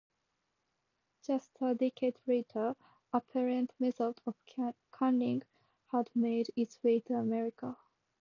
Just a decade later, Appert's method of canning had made its way to America.